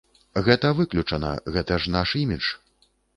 Гэта выключана, гэта ж наш імідж.